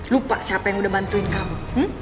lupa siapa yang udah bantuin kamu